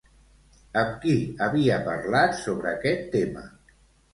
Amb qui havia parlat sobre aquest tema?